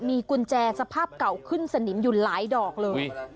มีกุญแจสภาพเก่าขึ้นสนิมอยู่หลายดอกเลย